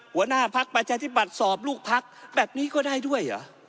หัวหน้าพักประชาธิบัติสอบลูกพักแบบนี้ก็ได้ด้วยเหรอ